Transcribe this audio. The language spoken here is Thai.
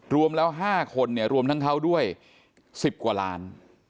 รวมแล้ว๕คนเนี่ยรวมทั้งเขาด้วย๑๐กว่าล้าน